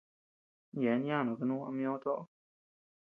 Yeabean yanuu kanu ama ñó toʼo.